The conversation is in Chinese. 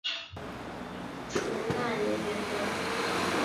罹难人员的亲人第一次回到了坠机现场。